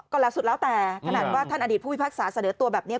ก็แล้วสุดแล้วแต่ขนาดว่าท่านอดีตผู้พิพากษาเสนอตัวแบบนี้